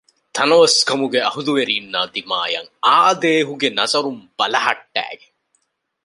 ތަނަވަސްކަމުގެ އަހްލުވެރީންނާ ދިމާޔަށް އާދޭހުގެ ނަޒަރުން ބަލަހައްޓައިގެން